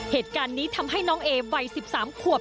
เหตุการณ์นี้ทำให้น้องเอวัย๑๓ขวบ